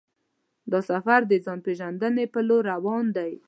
دا سفر د ځان پېژندنې پر لور روان دی.